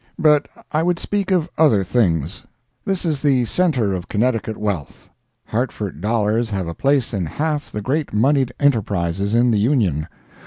But I would speak of other things. This is the centre of Connecticut wealth. Hartford dollars have a place in half the great moneyed enterprises in the Union.